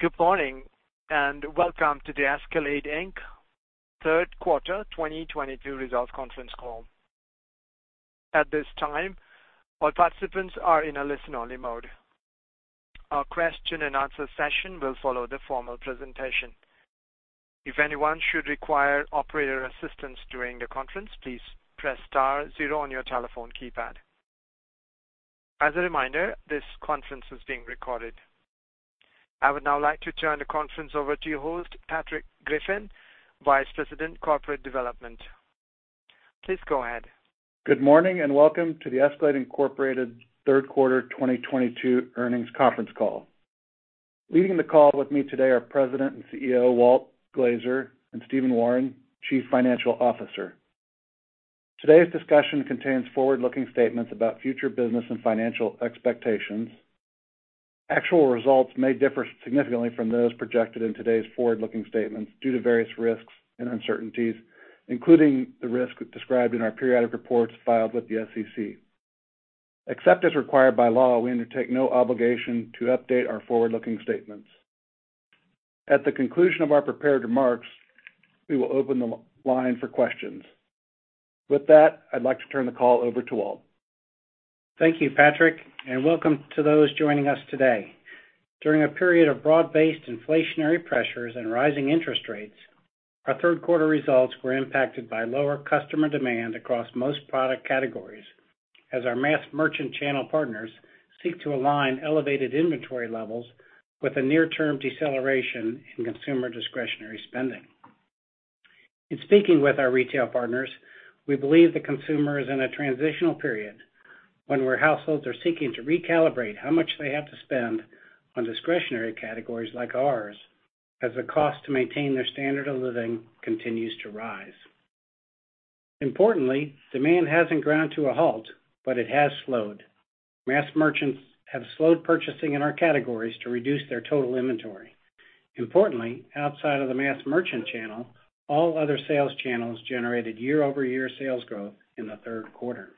Good morning, and welcome to the Escalade Inc. Third Quarter 2022 Results Conference Call. At this time, all participants are in a listen-only mode. A question and answer session will follow the formal presentation. If anyone should require operator assistance during the conference, please press star zero on your telephone keypad. As a reminder, this conference is being recorded. I would now like to turn the conference over to your host, Patrick Griffin, Vice President, Corporate Development. Please go ahead. Good morning, and welcome to the Escalade, Incorporated third quarter 2022 earnings conference call. Leading the call with me today are President and CEO, Walt Glazer, and Stephen Wawrin, Chief Financial Officer. Today's discussion contains forward-looking statements about future business and financial expectations. Actual results may differ significantly from those projected in today's forward-looking statements due to various risks and uncertainties, including the risks described in our periodic reports filed with the SEC. Except as required by law, we undertake no obligation to update our forward-looking statements. At the conclusion of our prepared remarks, we will open the line for questions. With that, I'd like to turn the call over to Walt. Thank you, Patrick, and welcome to those joining us today. During a period of broad-based inflationary pressures and rising interest rates, our third quarter results were impacted by lower customer demand across most product categories as our mass merchant channel partners seek to align elevated inventory levels with a near-term deceleration in consumer discretionary spending. In speaking with our retail partners, we believe the consumer is in a transitional period, one where households are seeking to recalibrate how much they have to spend on discretionary categories like ours as the cost to maintain their standard of living continues to rise. Importantly, demand hasn't ground to a halt, but it has slowed. Mass merchants have slowed purchasing in our categories to reduce their total inventory. Importantly, outside of the mass merchant channel, all other sales channels generated year-over-year sales growth in the third quarter.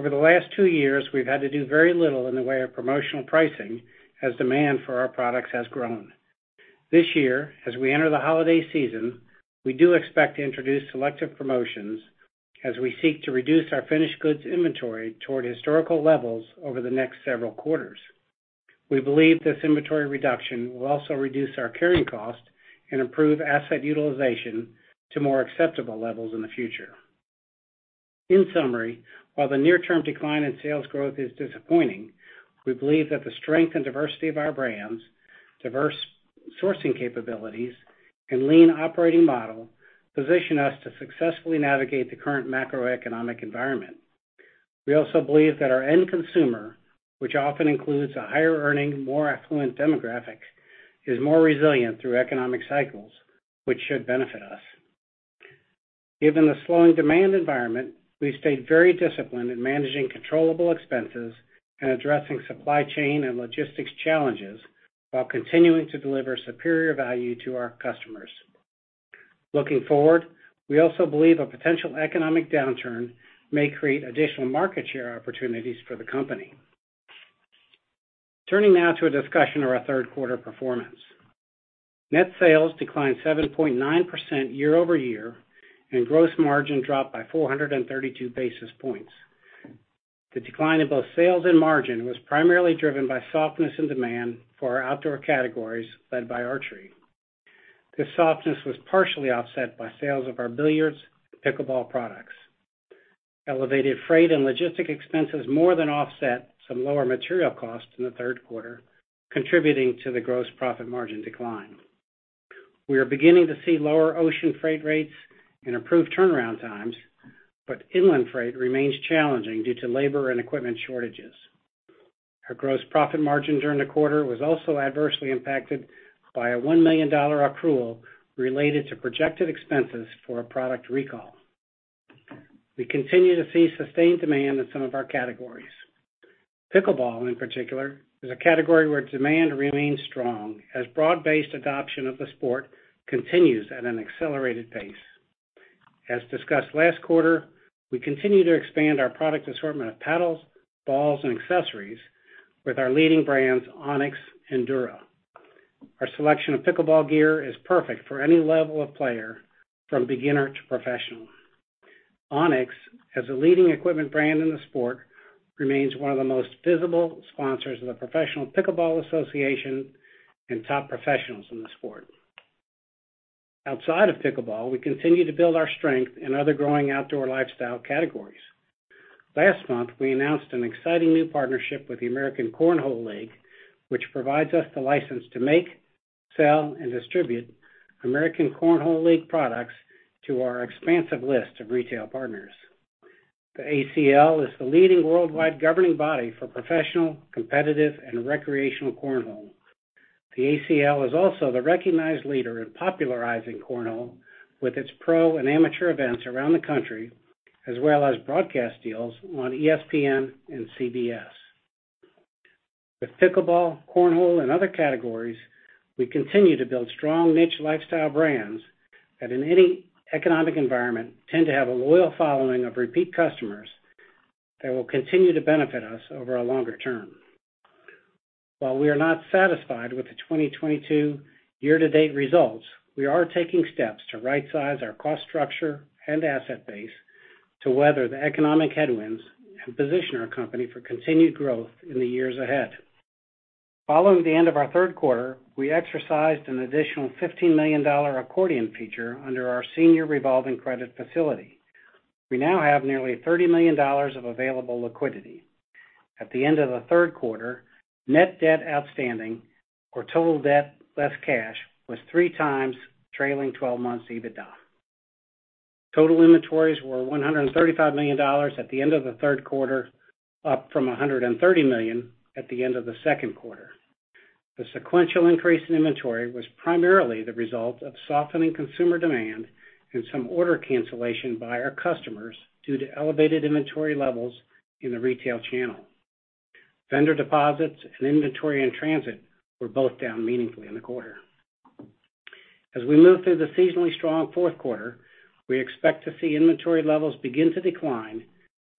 Over the last two years, we've had to do very little in the way of promotional pricing as demand for our products has grown. This year, as we enter the holiday season, we do expect to introduce selective promotions as we seek to reduce our finished goods inventory toward historical levels over the next several quarters. We believe this inventory reduction will also reduce our carrying cost and improve asset utilization to more acceptable levels in the future. In summary, while the near-term decline in sales growth is disappointing, we believe that the strength and diversity of our brands, diverse sourcing capabilities, and lean operating model position us to successfully navigate the current macroeconomic environment. We also believe that our end consumer, which often includes a higher earning, more affluent demographic, is more resilient through economic cycles, which should benefit us. Given the slowing demand environment, we've stayed very disciplined in managing controllable expenses and addressing supply chain and logistics challenges while continuing to deliver superior value to our customers. Looking forward, we also believe a potential economic downturn may create additional market share opportunities for the company. Turning now to a discussion of our third quarter performance. Net sales declined 7.9% year-over-year, and gross margin dropped by 432 basis points. The decline in both sales and margin was primarily driven by softness in demand for our outdoor categories, led by archery. This softness was partially offset by sales of our billiards pickleball products. Elevated freight and logistics expenses more than offset some lower material costs in the third quarter, contributing to the gross profit margin decline. We are beginning to see lower ocean freight rates and improved turnaround times, but inland freight remains challenging due to labor and equipment shortages. Our gross profit margin during the quarter was also adversely impacted by a $1 million accrual related to projected expenses for a product recall. We continue to see sustained demand in some of our categories. Pickleball, in particular, is a category where demand remains strong as broad-based adoption of the sport continues at an accelerated pace. As discussed last quarter, we continue to expand our product assortment of paddles, balls, and accessories with our leading brands, Onix and Dura. Our selection of pickleball gear is perfect for any level of player, from beginner to professional. Onix, as a leading equipment brand in the sport, remains one of the most visible sponsors of the Professional Pickleball Association and top professionals in the sport. Outside of pickleball, we continue to build our strength in other growing outdoor lifestyle categories. Last month, we announced an exciting new partnership with the American Cornhole League, which provides us the license to make, sell, and distribute American Cornhole League products to our expansive list of retail partners. The ACL is the leading worldwide governing body for professional, competitive, and recreational cornhole. The ACL is also the recognized leader in popularizing cornhole with its pro and amateur events around the country, as well as broadcast deals on ESPN and CBS. With pickleball, cornhole, and other categories, we continue to build strong niche lifestyle brands that, in any economic environment, tend to have a loyal following of repeat customers. That will continue to benefit us over a longer term. While we are not satisfied with the 2022 year-to-date results, we are taking steps to right size our cost structure and asset base to weather the economic headwinds and position our company for continued growth in the years ahead. Following the end of our third quarter, we exercised an additional $15 million accordion feature under our senior revolving credit facility. We now have nearly $30 million of available liquidity. At the end of the third quarter, net debt outstanding or total debt less cash was three times trailing twelve months EBITDA. Total inventories were $135 million at the end of the third quarter, up from $130 million at the end of the second quarter. The sequential increase in inventory was primarily the result of softening consumer demand and some order cancellation by our customers due to elevated inventory levels in the retail channel. Vendor deposits and inventory in transit were both down meaningfully in the quarter. As we move through the seasonally strong fourth quarter, we expect to see inventory levels begin to decline,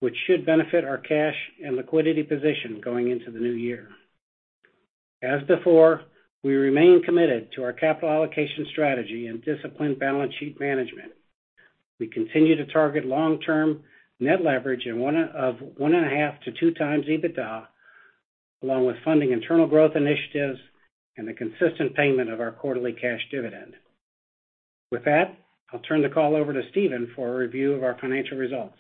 which should benefit our cash and liquidity position going into the new year. As before, we remain committed to our capital allocation strategy and disciplined balance sheet management. We continue to target long-term net leverage of 1.5-2x EBITDA, along with funding internal growth initiatives and the consistent payment of our quarterly cash dividend. With that, I'll turn the call over to Stephen for a review of our financial results.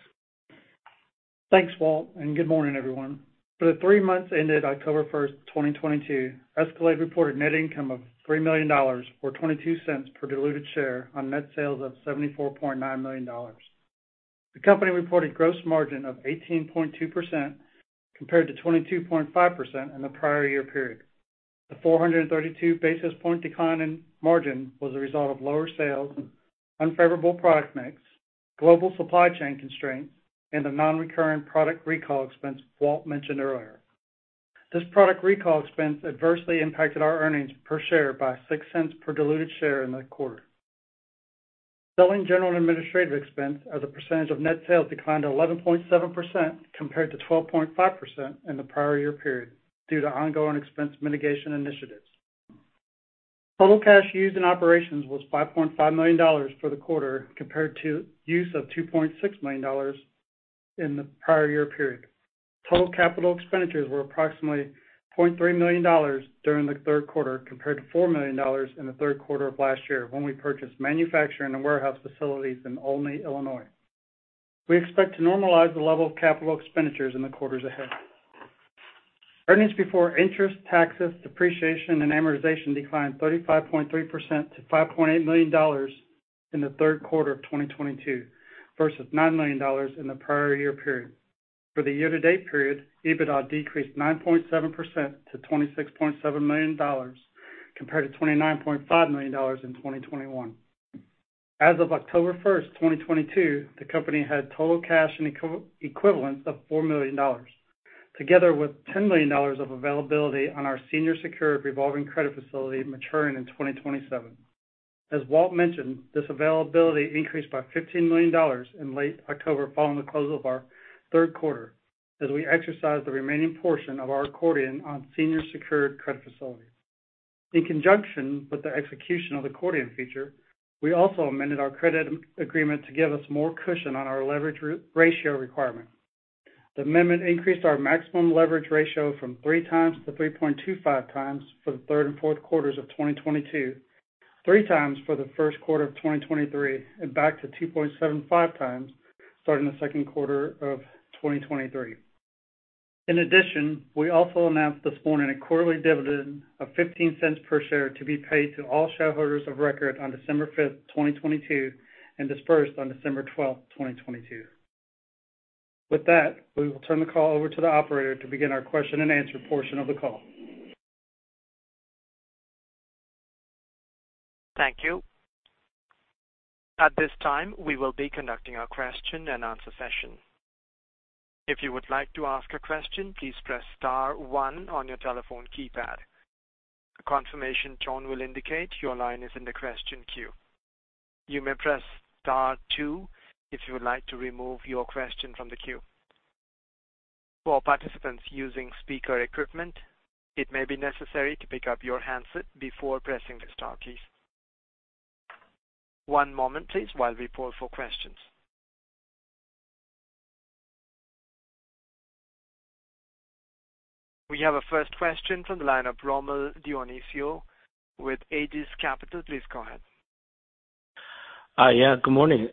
Thanks, Walt, and good morning, everyone. For the three months ended October 1st, 2022, Escalade reported net income of $3 million or $0.22 per diluted share on net sales of $74.9 million. The company reported gross margin of 18.2% compared to 22.5% in the prior year period. The 432 basis point decline in margin was a result of lower sales, unfavorable product mix, global supply chain constraints, and the non-recurring product recall expense Walt mentioned earlier. This product recall expense adversely impacted our earnings per share by $0.06 per diluted share in the quarter. Selling, general, and administrative expense as a percentage of net sales declined to 11.7% compared to 12.5% in the prior year period due to ongoing expense mitigation initiatives. Total cash used in operations was $5.5 million for the quarter compared to use of $2.6 million in the prior year period. Total capital expenditures were approximately $0.3 million during the third quarter, compared to $4 million in the third quarter of last year when we purchased manufacturing and warehouse facilities in Olney, Illinois. We expect to normalize the level of capital expenditures in the quarters ahead. Earnings before interest, taxes, depreciation, and amortization declined 35.3% to $5.8 million in the third quarter of 2022 versus $9 million in the prior year period. For the year-to-date period, EBITDA decreased 9.7% to $26.7 million compared to $29.5 million in 2021. As of October 1, 2022, the company had total cash equivalents of $4 million, together with $10 million of availability on our senior secured revolving credit facility maturing in 2027. Walt mentioned, this availability increased by $15 million in late October following the close of our third quarter as we exercised the remaining portion of our accordion on senior secured credit facilities. In conjunction with the execution of the accordion feature, we also amended our credit agreement to give us more cushion on our leverage ratio requirement. The amendment increased our maximum leverage ratio from 3x to 3.25x for the third and fourth quarters of 2022, 3x for the first quarter of 2023, and back to 2.75x starting the second quarter of 2023. In addition, we also announced this morning a quarterly dividend of $0.15 per share to be paid to all shareholders of record on December 5th, 2022, and dispersed on December twelfth, 2022. With that, we will turn the call over to the operator to begin our question-and-answer portion of the call. Thank you. At this time, we will be conducting our question-and-answer session. If you would like to ask a question, please press star one on your telephone keypad. A confirmation tone will indicate your line is in the question queue. You may press star two if you would like to remove your question from the queue. For participants using speaker equipment, it may be necessary to pick up your handset before pressing the star keys. One moment please while we poll for questions. We have a first question from the line of Rommel Dionisio with Aegis Capital. Please go ahead. Yeah, good morning.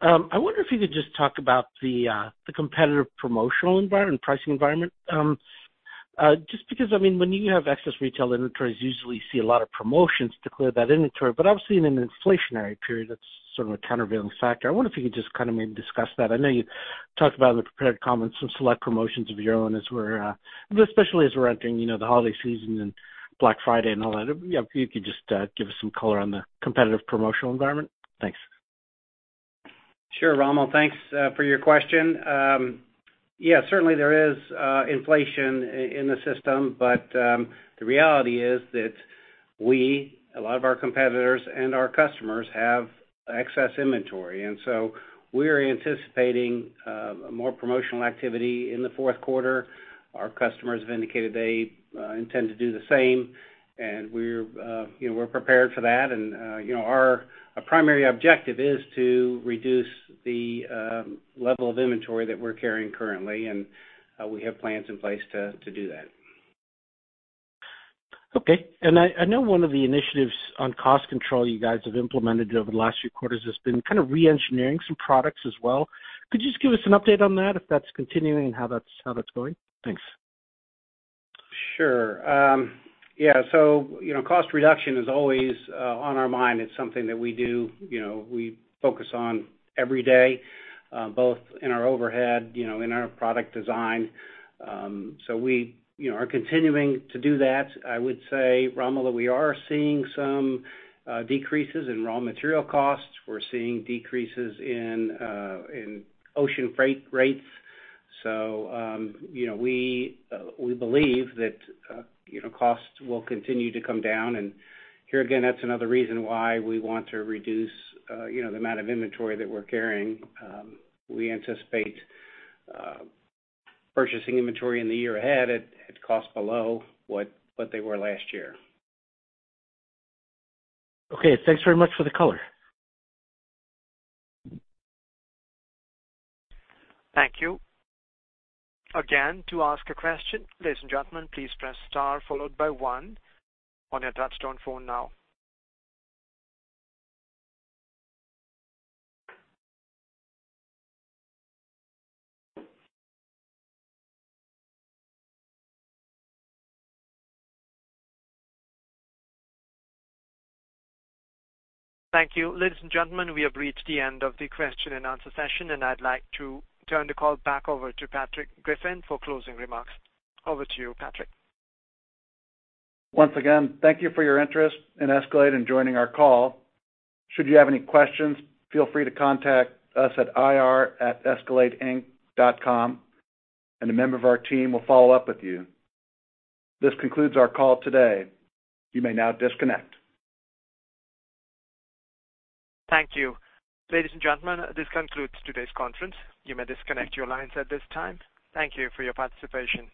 I wonder if you could just talk about the competitive promotional environment and pricing environment. Just because, I mean, when you have excess retail inventories, you usually see a lot of promotions to clear that inventory. Obviously in an inflationary period, that's sort of a countervailing factor. I wonder if you could just kind of maybe discuss that. I know you talked about in the prepared comments some select promotions of your own, especially as we're entering, you know, the holiday season and Black Friday and all that. Yeah, if you could just give us some color on the competitive promotional environment. Thanks. Sure. Rommel, thanks for your question. Yeah, certainly there is inflation in the system. The reality is that we, a lot of our competitors, and our customers have excess inventory, and so we're anticipating more promotional activity in the fourth quarter. Our customers have indicated they intend to do the same, and we're, you know, prepared for that. You know, our primary objective is to reduce the level of inventory that we're carrying currently, and we have plans in place to do that. Okay. I know one of the initiatives on cost control you guys have implemented over the last few quarters has been kind of re-engineering some products as well. Could you just give us an update on that, if that's continuing and how that's going? Thanks. Sure. Yeah. You know, cost reduction is always on our mind. It's something that we do, you know. We focus on every day, both in our overhead, you know, in our product design. We are continuing to do that. I would say, Rommel, we are seeing some decreases in raw material costs. We're seeing decreases in ocean freight rates. You know, we believe that, you know, costs will continue to come down. Here again, that's another reason why we want to reduce, you know, the amount of inventory that we're carrying. We anticipate purchasing inventory in the year ahead at cost below what they were last year. Okay. Thanks very much for the color. Thank you. Again, to ask a question, ladies and gentlemen, please press star followed by one on your touch-tone phone now. Thank you. Ladies and gentlemen, we have reached the end of the question and answer session, and I'd like to turn the call back over to Patrick Griffin for closing remarks. Over to you, Patrick. Once again, thank you for your interest in Escalade and joining our call. Should you have any questions, feel free to contact us at ir@escaladeinc.com, and a member of our team will follow up with you. This concludes our call today. You may now disconnect. Thank you. Ladies and gentlemen, this concludes today's conference. You may disconnect your lines at this time. Thank you for your participation.